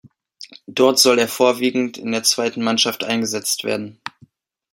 Dort soll er vorwiegend in der zweiten Mannschaft eingesetzt werden.